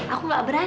aku ga berani